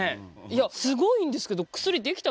いやすごいんですけどええ！